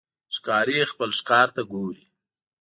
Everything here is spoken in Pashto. ښکاري خپل ښکار ته ګوري.